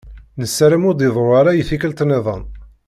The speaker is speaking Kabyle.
Nessaram ur d-iḍeṛṛu ara i tikkelt-nniḍen.